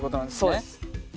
そうです。